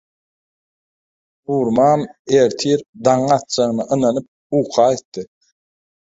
Nurumam ertir daňyň atjagyna ynanyp uka gitdi.